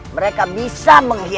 mereka bisa mencarimu